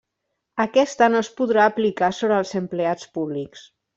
Aquesta no es podrà aplicar sobre els empleats públics.